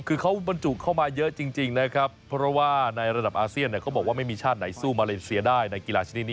คือเขามันจุเข้ามาเยอะจริงว่าก็ไม่มีชาติไหนสู้มาเลเซียได้ในกีฬาชนิดนี้แน่นอน